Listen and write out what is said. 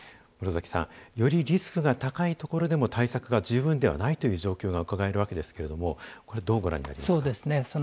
室崎さん、よりリスクが高いところでも対策が十分ではないという状況がうかがえるわけですけれどもどうご覧になりますか？